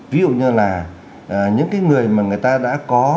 ví dụ như là những cái người mà người ta đã có